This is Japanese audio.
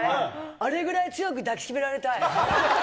あれぐらい強く抱き締められたい。